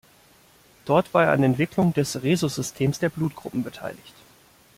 Dort war er an der Entwicklung des Rhesus-Systems der Blutgruppen beteiligt.